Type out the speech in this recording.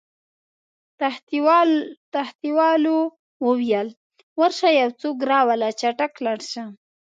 تختې والاو وویل: ورشه یو څوک راوله، چټک لاړ شه.